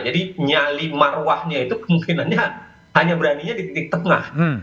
jadi nyali marwahnya itu kemungkinannya hanya beraninya di titik tengah